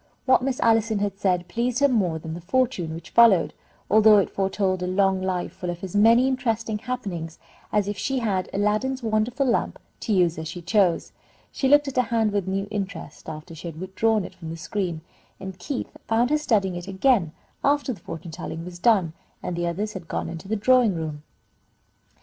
What Miss Allison had said pleased her more than the fortune which followed, although it foretold a long life full of as many interesting happenings as if she had Aladdin's wonderful lamp to use as she chose. She looked at her hand with a new interest after she had withdrawn it from the screen, and Keith found her studying it again after the fortune telling was done, and the others had gone into the drawing room.